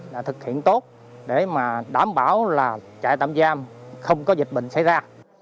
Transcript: là thực hiện tốt để mà đảm bảo là chạy tạm giam không có dịch bệnh xảy ra